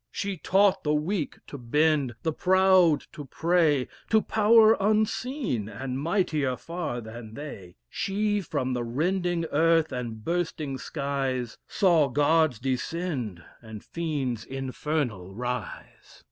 ..... She taught the weak to bend, the proud to pray, To power unseen, and mightier far than they: She, from the rending earth and bursting skies, Saw Gods descend and fiends infernal rise.